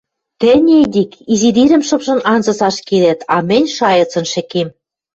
Тӹнь, Эдик, изидирӹм шыпшын, анзыц ашкедӓт, а мӹнь шайыцын шӹкем.